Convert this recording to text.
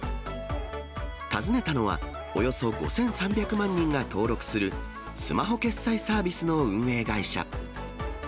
訪ねたのはおよそ５３００万人が登録する、スマホ決済サービスの運営会社。